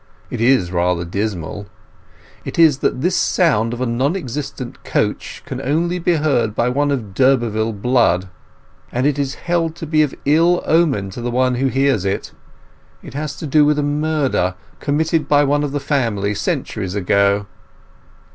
It is rather dismal. It is that this sound of a non existent coach can only be heard by one of d'Urberville blood, and it is held to be of ill omen to the one who hears it. It has to do with a murder, committed by one of the family, centuries ago."